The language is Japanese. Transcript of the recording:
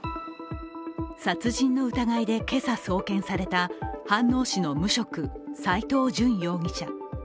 殺人の疑いで今朝送検された飯能市の無職、斉藤淳容疑者。